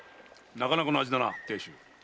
なかなかの味だな亭主。